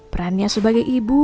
perannya sebagai ibu